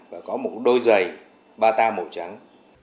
và có một đôi giày bata màu trắng